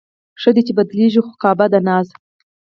ښه ده، چې بدلېږي خو کعبه د ناز